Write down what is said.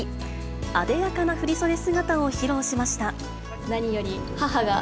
あでやかな振り袖姿を披露しました。